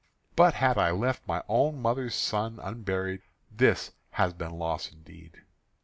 But had I left my own mother's son unburied, this had been loss indeed."